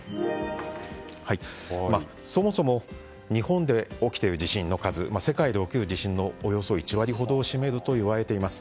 そもそも日本で起きている地震の数は世界で起きる地震のおよそ１割を占めるといわれています。